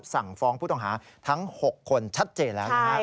สั่งฟ้องผู้ต้องหาทั้ง๖คนชัดเจนแล้วนะครับ